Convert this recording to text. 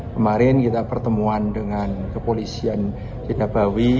kemarin kita pertemuan dengan kepolisian di nabawi